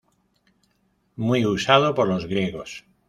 Muy usado por los griegos.